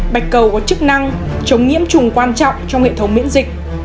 bạch cầu có chức năng chống nhiễm trùng quan trọng trong hệ thống miễn dịch